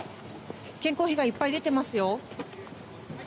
健康被害、いっぱい出ていますよ。